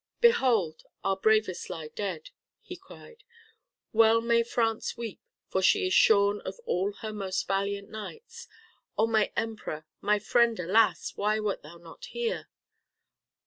"Behold! our bravest lie dead," he cried. "Well may France weep, for she is shorn of all her most valiant knights. Oh my Emperor, my friend, alas, why wert thou not here?